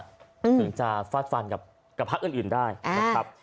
ถึงจะฟาดฟันกับพักอื่นได้นะครับ